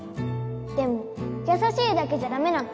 でもやさしいだけじゃダメなの！